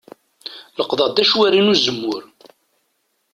Leqḍeɣ-d acwari n uzemmur.